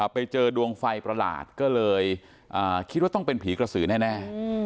ไปเจอดวงไฟประหลาดก็เลยคิดว่าต้องเป็นผีกระสือแน่